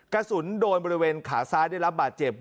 กระสุนโดนบริเวณขาซ้ายได้รับบาดเจ็บ